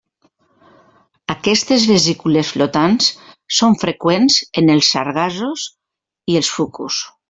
Aquestes vesícules flotants són freqüents en els sargassos i els fucus.